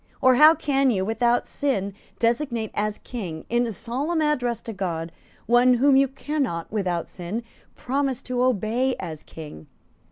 Or how can you, without sin, designate as King, in a solemn address to God, one whom you cannot, without sin, promise to obey as King?